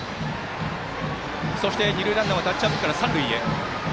そして二塁ランナーはタッチアップから三塁へ。